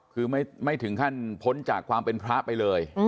คือไม่ถึงขั้นพ้นจากความเป็นพระไปเลย